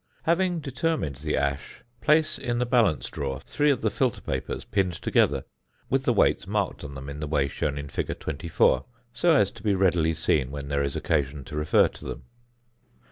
Having determined the ash, place in the balance drawer three of the filter papers pinned together, with the weights marked on them in the way shown in fig. 24, so as to be readily seen when there is occasion to refer to them.